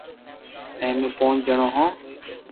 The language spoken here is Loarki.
ائمي امي پونچ جڻو ھون